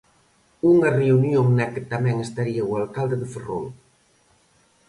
Unha reunión na que tamén estaría o alcalde de Ferrol.